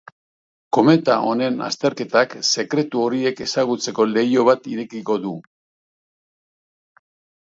Kometa honen azterketak sekretu horiek ezagutzeko leiho bat irekiko du.